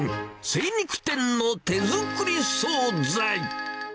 精肉店の手作り総菜。